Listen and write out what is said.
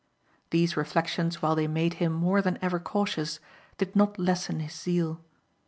These reflections while they made him more than ever cautious did not lessen his zeal.